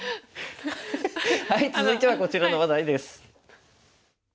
続いてはこちらの話題です。